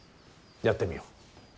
やってみよ。